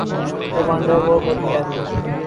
Rwanda وہ ملک ہے۔